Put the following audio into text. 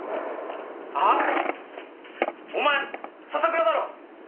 あっお前笹倉だろ。